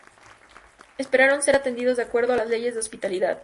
Esperaron ser atendidos de acuerdo a las leyes de hospitalidad.